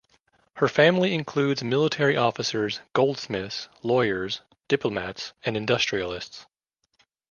Her family includes military officers, goldsmiths, lawyers, diplomats and industrialists.